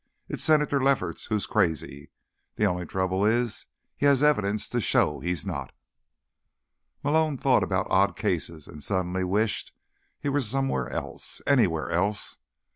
"It's Senator Lefferts who's crazy. The only trouble is, he has evidence to show he's not." Malone thought about odd cases, and suddenly wished he were somewhere else. Anywhere else.